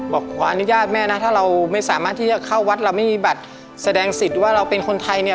ขออนุญาตแม่นะถ้าเราไม่สามารถที่จะเข้าวัดเราไม่มีบัตรแสดงสิทธิ์ว่าเราเป็นคนไทยเนี่ย